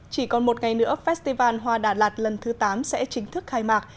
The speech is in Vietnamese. chỉ còn một ngày nữa festival hoa đà lạt lần thứ tám sẽ chính thức khai mạc